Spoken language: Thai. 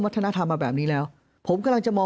เพราะอาชญากรเขาต้องปล่อยเงิน